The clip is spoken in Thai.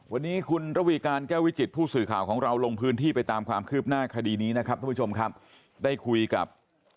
วันนี้คุณระวีการแก้ววิจิตผู้สื่อข่าวของเราลงพื้นที่ไปตามความคืบหน้าคดีนี้นะครับทุกผู้ชมครับได้คุยกับ